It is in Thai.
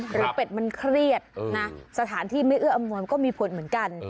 เป็ดมันเครียดนะสถานที่ไม่เอื้ออำนวยก็มีผลเหมือนกัน